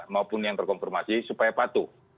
maupun yang terkonfirmasi supaya patuh